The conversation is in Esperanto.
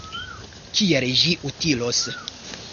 Kiel ĝi utilos?